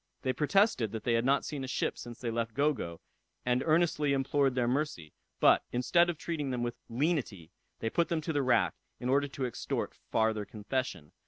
They protested that they had not seen a ship since they left Gogo, and earnestly implored their mercy; but, instead of treating them with lenity, they put them to the rack, in order to extort farther confession.